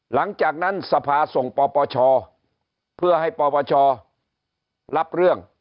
หลังจากนั้นสภาส่งปปชเพื่อให้ปปชรับเรื่อง